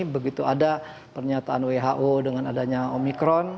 begitu ada pernyataan who dengan adanya omikron